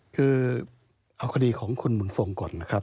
คือเอาคดีของคุณบุญทรงก่อนนะครับ